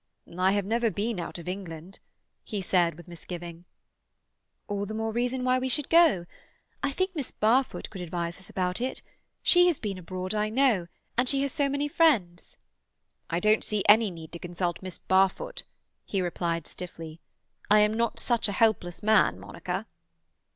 "I have never been out of England," he said, with misgiving. "All the more reason why we should go. I think Miss Barfoot could advise us about it. She has been abroad, I know, and she has so many friends." "I don't see any need to consult Miss Barfoot," he replied stiffly. "I am not such a helpless man, Monica."